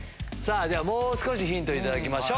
もう少しヒント頂きましょう。